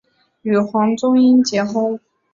与黄宗英结婚。